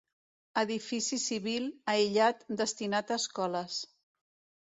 Edifici civil, aïllat, destinat a escoles.